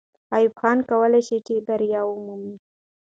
ایوب خان کولای سوای چې بری ومومي.